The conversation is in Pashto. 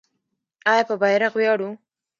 آیا په بیرغ ویاړو؟